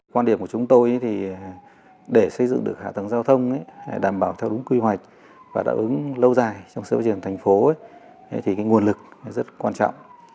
quan điểm của chúng tôi thì để xây dựng được hạ tầng giao thông đảm bảo theo đúng quy hoạch và đạo ứng lâu dài trong sự phát triển thành phố thì nguồn lực rất quan trọng